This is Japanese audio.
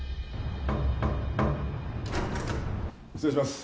・・失礼します。